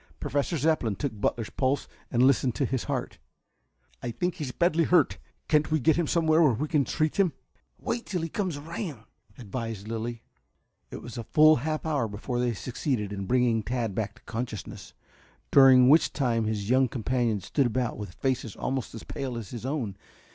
Professor Zepplin took Butler's pulse and listened to his heart. "I think he is badly hurt. Can't we get him somewhere where we can treat him?" "Wait till he comes around," advised Lilly. It was a full half hour before they succeeded in bringing Tad back to consciousness, during which time his young companions stood about with faces almost as pale as his own.